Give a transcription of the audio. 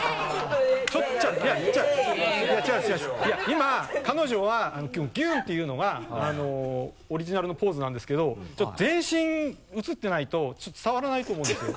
今彼女は「ぎゅん」っていうのがオリジナルのポーズなんですけどちょっと全身映ってないとちょっと伝わらないと思うんですよ。